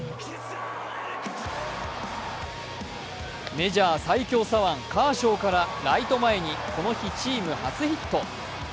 メジャー最強左腕、カーショウからライト前にこの日チーム初ヒット。